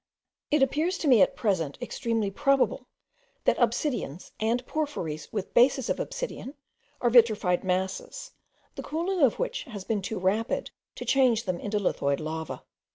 It appears to me at present extremely probable, that obsidians, and porphyries with bases of obsidian, are vitrified masses, the cooling of which has been too rapid to change them into lithoid lava.